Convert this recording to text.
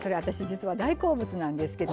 じつは大好物なんですけどね